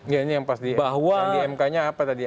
ya ini yang pas di mk nya apa tadi